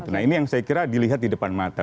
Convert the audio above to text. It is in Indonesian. nah ini yang saya kira dilihat di depan mata